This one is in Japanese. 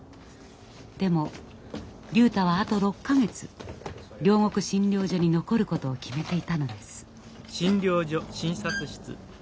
でも竜太はあと６か月両国診療所に残ることを決めていたのです。